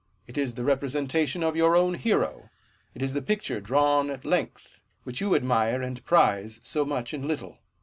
It is the representation of your own hero : it is the picture drawn at length, which you admire and prize so much in little.